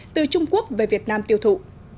từ trung quốc về việt nam tiêu thụ